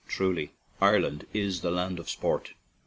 Truly, Ireland is the 1 of sport!